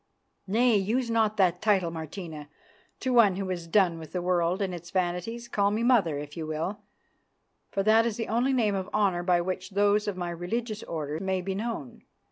"Nay, use not that title, Martina, to one who has done with the world and its vanities. Call me 'Mother' if you will, for that is the only name of honour by which those of my religious order may be known.